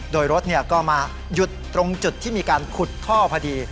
โดยรถก็มาหยุดตรงจุดที่มีการขุดท่อพอดี